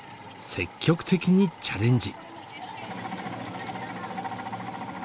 積極的にチャレンジ。